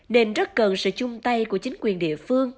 nên rất cần sự chung tay của chính quyền địa phương